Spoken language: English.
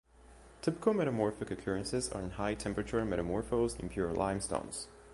Typical metamorphic occurrences are in high-temperature metamorphosed impure limestones.